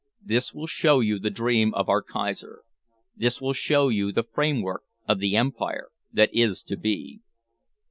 This will show you the dream of our Kaiser. This will show you the framework of the empire that is to be."